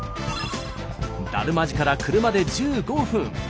達磨寺から車で１５分。